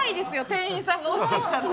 店員さんが押してきたら。